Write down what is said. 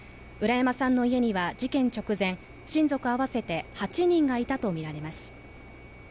浦山さんの家には事件直前親族合わせて８人がいたと見られます